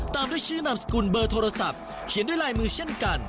ตามด้วยชื่อนามสกุลเบอร์โทรศัพท์เขียนด้วยลายมือเช่นกัน